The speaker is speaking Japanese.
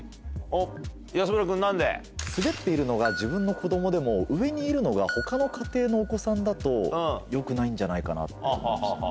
おっ安村君何で？滑っているのが自分の子供でも上にいるのが他の家庭のお子さんだとよくないんじゃないかなって思いました。